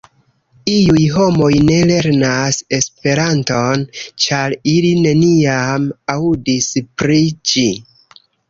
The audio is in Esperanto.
Iuj homoj ne lernas Esperanton, ĉar ili neniam aŭdis pri ĝi.